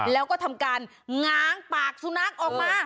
แล้วก็ทำการง้างปากสุนัขออกมา